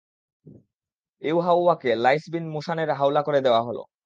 ইউহাওয়াকে লাঈছ বিন মোশানের হাওলা করে দেয়া হল।